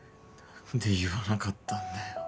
何で言わなかったんだよ